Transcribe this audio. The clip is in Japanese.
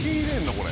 これ。